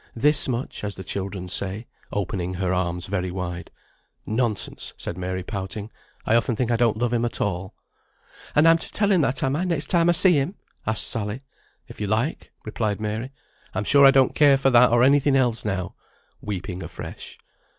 'This much,' as the children say" (opening her arms very wide). "Nonsense," said Mary, pouting; "I often think I don't love him at all." "And I'm to tell him that, am I, next time I see him?" asked Sally. "If you like," replied Mary. "I'm sure I don't care for that or any thing else now;" weeping afresh.